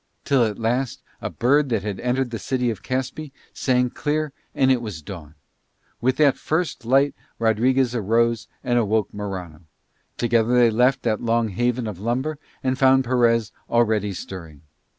Till at last a bird that had entered the city of Caspe sang clear and it was dawn. With that first light Rodriguez arose and awoke Morano. Together they left that long haven of lumber and found Perez already stirring.